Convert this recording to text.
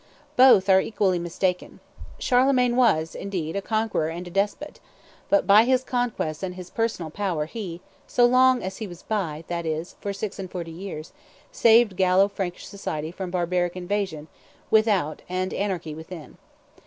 Both are equally mistaken. Charlemagne was, indeed, a conqueror and a despot; but by his conquests and his personal power he, so long as he was by, that is, for six and forty years, saved Gallo Frankish society from barbaric invasion without and anarchy within.